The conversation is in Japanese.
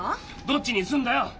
どっちにすんだよ！？